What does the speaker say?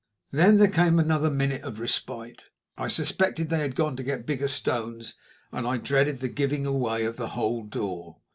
Then there came another minute of respite. I suspected they had gone to get bigger stones, and I dreaded the giving way of the whole door.